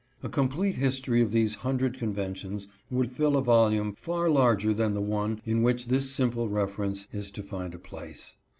A complete history of these hundred conventions would fill a volume far larger than the one in which this simple reference is to find a place.